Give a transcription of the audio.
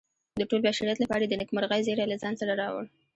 د ټول بشریت لپاره یې د نیکمرغۍ زیری له ځان سره راوړ.